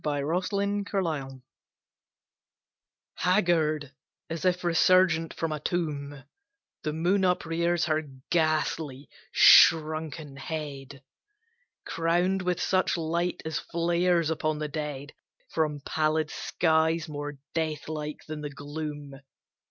THE MEDUSA OF THE SKIES Haggard as if resurgent from a tomb, The moon uprears her ghastly, shrunken head, Crowned with such light as flares upon the dead From pallid skies more death like than the gloom.